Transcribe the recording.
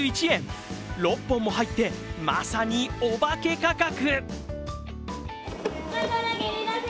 ６本も入って、まさにおばけ価格。